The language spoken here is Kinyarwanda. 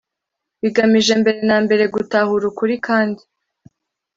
bigamije mbere na mbere gutahura ukuri kandi